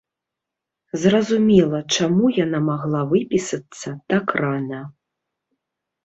Зразумела, чаму яна магла выпісацца так рана.